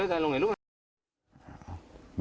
อีกคนหนึ่งอีกคนหนึ่ง